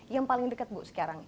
yang paling dekat bu sekarang